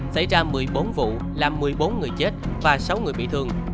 xảy ra một mươi bốn vụ làm một mươi bốn người chết và sáu người bị thương